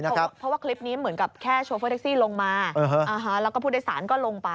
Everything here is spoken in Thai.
เพราะว่าคลิปนี้เหมือนกับแค่โชเฟอร์แท็กซี่ลงมาแล้วก็ผู้โดยสารก็ลงไป